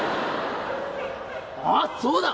「あっそうだ！